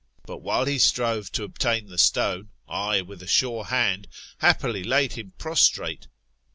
But while he strove to obtain the stone, I, with a sure hand, happily laid him prostrate.